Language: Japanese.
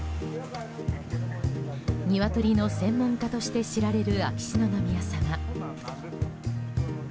ニワトリの専門家として知られる秋篠宮さま。